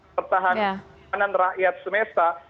pertahanan rakyat semesta